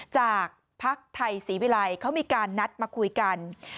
ภักดิ์ไทยศรีวิลัยเขามีการนัดมาคุยกัน